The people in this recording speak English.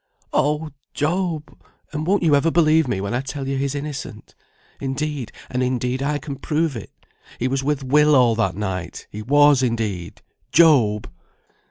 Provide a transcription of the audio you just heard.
"Oh! Job, and won't you ever believe me when I tell you he's innocent? Indeed, and indeed I can prove it; he was with Will all that night; he was, indeed, Job!"